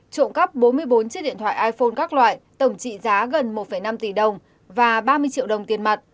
trộm cắp bốn mươi bốn chiếc điện thoại iphone các loại tổng trị giá gần một năm tỷ đồng và ba mươi triệu đồng tiền mặt